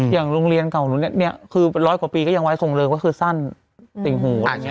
อย่างโรงเรียนเก่าหนูเนี่ยคือร้อยกว่าปีก็ยังไว้ทรงเริงก็คือสั้นติ่งหู